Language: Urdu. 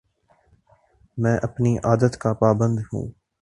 میں اپنی عادات کا پابند ہوں